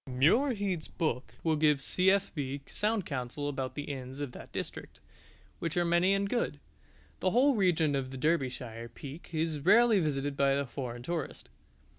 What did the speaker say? Muirhead's book will give C.F.B. sound counsel about the inns of that district, which are many and good. The whole region of the Derbyshire Peak is rarely visited by the foreign tourist.